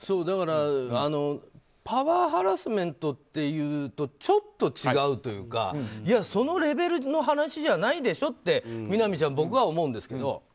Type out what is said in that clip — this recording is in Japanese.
だからパワーハラスメントって言うとちょっと違うというかそのレベルの話じゃないでしょって僕は思うんですけど。